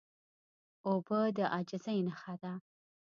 اوبه د عاجزۍ نښه ده.